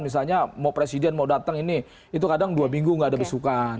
misalnya mau presiden mau datang ini itu kadang dua minggu nggak ada besukan